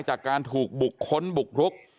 จากการถูกบุคคลบุกรุก